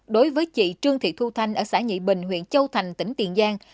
đối với chị trương thị thu thanh ở xã nhị bình huyện châu thành tỉnh tiền giang